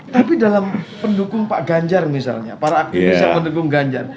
tapi dalam pendukung pak ganjar misalnya para aktivis yang mendukung ganjar